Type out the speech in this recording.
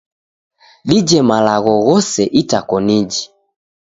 Dije malagho ghose itakoniji.